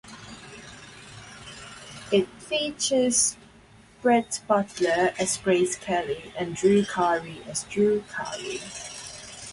It features Brett Butler as Grace Kelly and Drew Carey as Drew Carey.